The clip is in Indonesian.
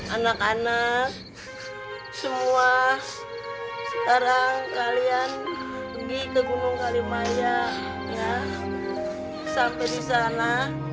anak anak semua sekarang kalian pergi ke gunung kalimanya sampai di sana